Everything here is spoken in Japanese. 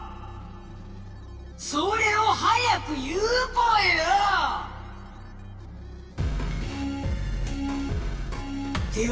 それを早く言うぽよ！